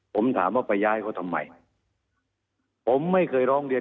ผมถามว่าไปย้ายเขาทำไมผมไม่เคยร้องเรียน